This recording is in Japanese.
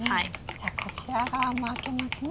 じゃあこちら側も開けますね。